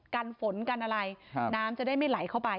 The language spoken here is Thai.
กันฝนกันอะไรน้ำจะได้ไม่ไหลเข้าไป